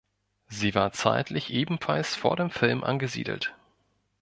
Sie war zeitlich ebenfalls vor dem Film angesiedelt.